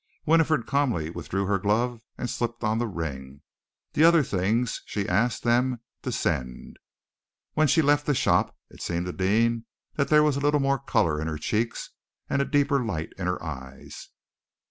Winifred calmly withdrew her glove and slipped on the ring. The other things she asked them to send. When she left the shop, it seemed to Deane that there was a little more color in her cheeks and a deeper light in her eyes.